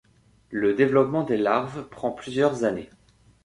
Le développement des larves prend plusieurs années.